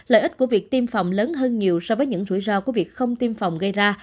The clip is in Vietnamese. lợi ích của việc tiêm phòng lớn hơn nhiều so với những rủi ro của việc không tiêm phòng gây ra